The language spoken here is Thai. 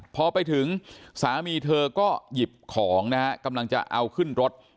พอไปถึงสามีเธอก็หยิบของนะฮะกำลังจะเอาขึ้นรถ